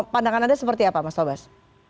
pandangan anda seperti apa mas tobas